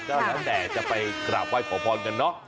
ก็แล้วแต่จะไปกราบไหว้ขอพรกันเนอะ